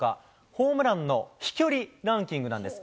ホームランの飛距離ランキングなんです。